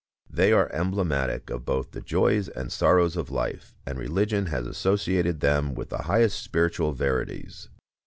They are emblematic of both the joys and sorrows of life, and religion has associated them with the highest spiritual verities.